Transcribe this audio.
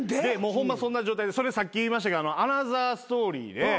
ホンマそんな状態それさっき言いましたけど『アナザーストーリー』でホンマにそれが